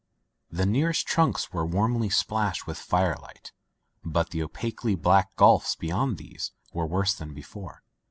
The nearest trunks were warmly splashed with firelight, but the opaquely black gulfs beyond these were worse than before.